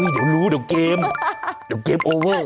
เดี๋ยวรู้เดี๋ยวเกมเดี๋ยวเกมโอเวอร์